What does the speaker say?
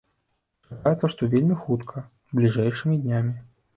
Чакаецца, што вельмі хутка, бліжэйшымі днямі.